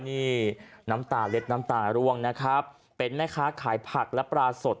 นี่น้ำตาเล็ดน้ำตาร่วงนะครับเป็นแม่ค้าขายผักและปลาสด